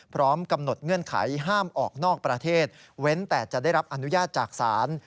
พร้อมกำหนดเงื่อนไขห้ามออกนอกประเทศเว้นแต่จะได้รับอนุญาตจากศาล